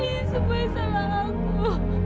ini semua salah aku